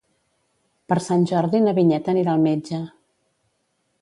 Per Sant Jordi na Vinyet anirà al metge.